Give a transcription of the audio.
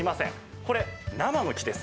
これ、生の木です。